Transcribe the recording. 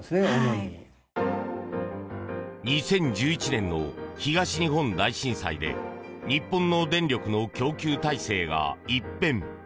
２０１１年の東日本大震災で日本の電力の供給体制が一変。